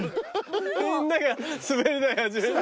みんなが滑り台始めた。